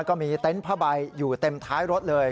ก็มีเต็นต์ผ้าใบอยู่เต็มท้ายรถเลย